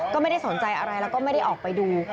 ก็ไม่ได้สนใจอะไรแล้วก็ไม่ได้ออกไปดู